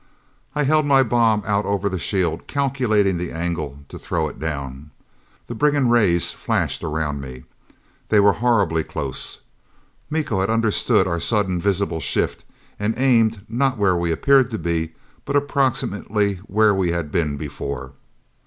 I held my bomb out over the shield, calculating the angle to throw it down. The brigand rays flashed around me. They were horribly close; Miko had understood our sudden visible shift and aimed, not where we appeared to be, but approximately where we had been before.